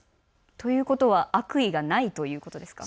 ということは、悪意がないということですか。